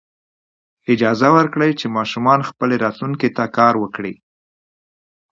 اجازه ورکړئ چې ماشومان خپلې راتلونکې ته کار وکړي.